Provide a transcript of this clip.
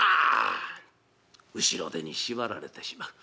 後ろ手に縛られてしまう。